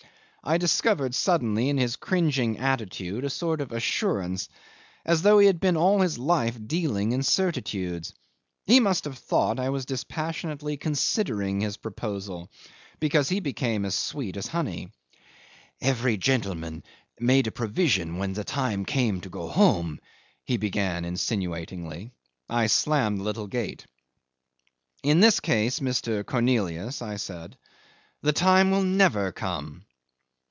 I discovered suddenly in his cringing attitude a sort of assurance, as though he had been all his life dealing in certitudes. He must have thought I was dispassionately considering his proposal, because he became as sweet as honey. "Every gentleman made a provision when the time came to go home," he began insinuatingly. I slammed the little gate. "In this case, Mr. Cornelius," I said, "the time will never come."